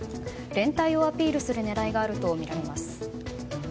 連帯をアピールする狙いがあるとみられます。